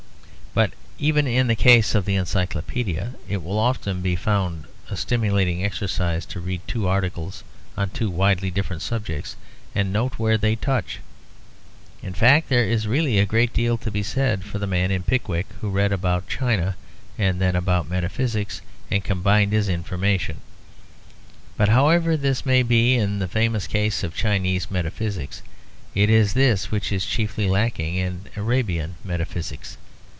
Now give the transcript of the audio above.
But even in the case of the Encyclopedia, it will often be found a stimulating exercise to read two articles on two widely different subjects and note where they touch. In fact there is really a great deal to be said for the man in Pickwick who read first about China and then about metaphysics and combined his information. But however this may be in the famous case of Chinese metaphysics, it is this which is chiefly lacking in Arabian metaphysics.